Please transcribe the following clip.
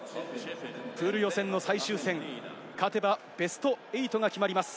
プール予選の最終戦、勝てばベスト８が決まります。